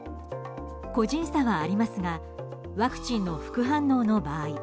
個人差はありますがワクチンの副反応の場合